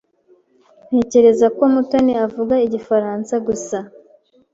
Ntekereza ko Mutoni avuga Igifaransa gusa.